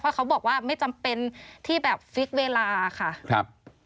เพราะเขาบอกว่าไม่จำเป็นที่แบบฟิกเวลาค่ะครับ